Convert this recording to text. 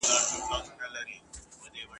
نه له چا سره وي توان د فکر کړلو !.